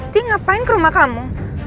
ti ngapain ke rumah kamu